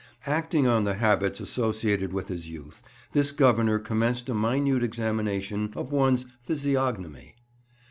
Acting on the habits associated with his youth, this Governor commenced a minute examination of one's physiognomy.